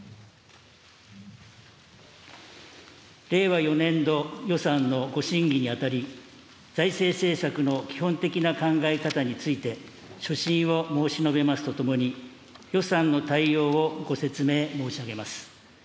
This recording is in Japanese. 令和４年度予算のご審議に当たり、財政政策の基本的な考え方について、所信を申し述べますとともに、予算の対応をご説明申し上げます。